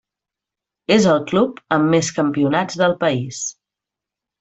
És el club amb més campionats del país.